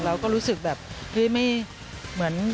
เราก็รู้สึกแบบเฮ้ยไม่เหมือน